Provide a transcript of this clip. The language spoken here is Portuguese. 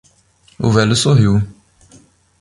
O velho sorriu.